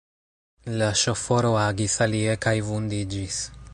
La ŝoforo agis alie, kaj vundiĝis.